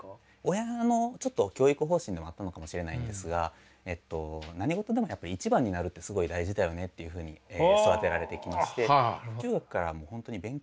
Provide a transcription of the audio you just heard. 親のちょっと教育方針でもあったのかもしれないんですが何ごとでもやっぱ一番になるってすごい大事だよねっていうふうに育てられてきまして。